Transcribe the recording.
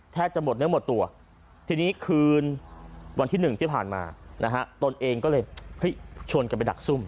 จะหมดเนื้อหมดตัวทีนี้คืนวันที่๑ที่ผ่านมานะฮะตนเองก็เลยชวนกันไปดักซุ่ม